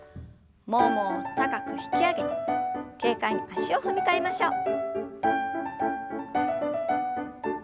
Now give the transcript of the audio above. ももを高く引き上げて軽快に足を踏み替えましょう。